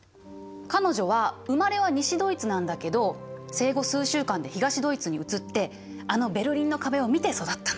彼女は生まれは西ドイツなんだけど生後数週間で東ドイツに移ってあのベルリンの壁を見て育ったの。